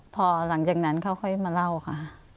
พอหลังจากนั้นเขาค่อยมาเล่าค่ะ